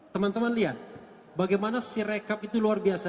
teman teman lihat bagaimana si rekap itu luar biasa